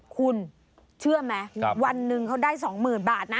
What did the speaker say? คุณเชื่อไหมวันหนึ่งเขาได้๒๐๐๐บาทนะ